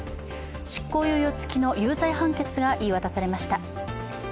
執行猶予付きの有罪判決が言い渡されました。